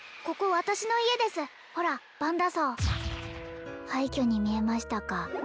ここ私の家ですほらばんだ荘廃虚に見えましたか？